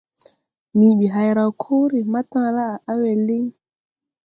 Nii ɓi hay raw koore, matala á a we liŋ.